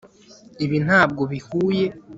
ibi ntabwo bihuye